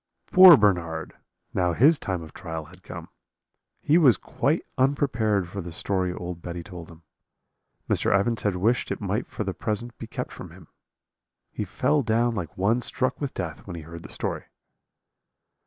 "Poor Bernard! now his time of trial had come: he was quite unprepared for the story old Betty told him. Mr. Evans had wished it might for the present be kept from him. He fell down like one struck with death when he heard the story.